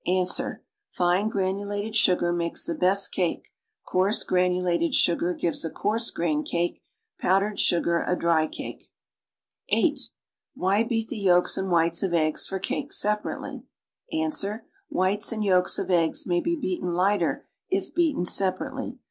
Ans. Fine granulate<l sugar makes the best cake; coarse granu lated sugar gives a coar.se grained cake; powdered sugar a dry cake. (8) Why beat the yolks and whites of eggs for cake separately? Ans. Whites and yolks of eggs may be beaten lighter if beaten separately.